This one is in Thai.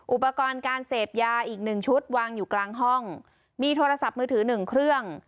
อุปกรณ์การเสพยาอีกหนึ่งชุดวางอยู่กลางห้องมีโทรศัพท์มือถือหนึ่งเครื่อง